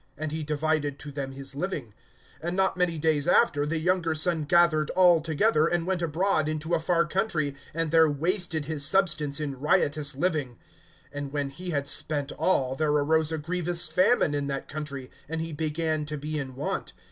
And he divided to them his living. (13)And not many days after, the younger son gathered all together, and went abroad into a far country, and there wasted his substance in riotous living. (14)And when he had spent all, there arose a grievous famine in that country; and he began to be in want.